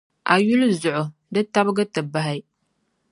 A yuli zuɣu, di tabigi ti bahi.